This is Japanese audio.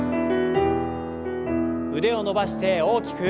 腕を伸ばして大きく。